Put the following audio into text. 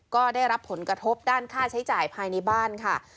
ก็ได้รับผลกระทบด้านค่าใช้จ่ายภายในบ้านค่ะ